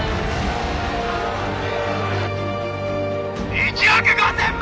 １億５，０００万